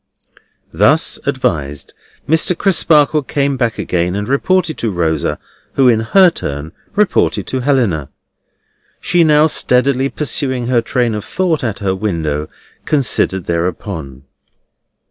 Thus advised, Mr. Crisparkle came back again and reported to Rosa, who in her turn reported to Helena. She now steadily pursuing her train of thought at her window, considered thereupon.